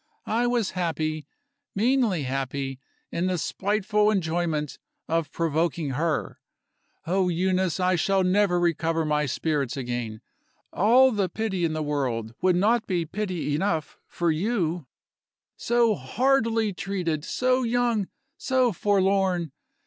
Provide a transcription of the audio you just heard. I was happy, meanly happy, in the spiteful enjoyment of provoking her. Oh, Euneece, I shall never recover my spirits again! All the pity in the world would not be pity enough for you. So hardly treated! so young! so forlorn!